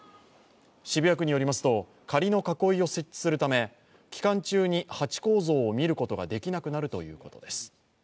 区によると、仮の囲いを設置するため期間中に、ハチ公像を見ることができなくなるということです。